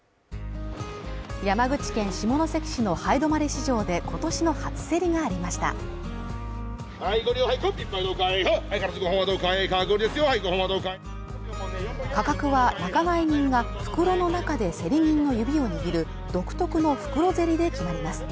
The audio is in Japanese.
山口県下関市の南風泊市場で今年の初競りがありました価格は仲買人が袋の中で競り人の指を握る独特の袋競りで決まります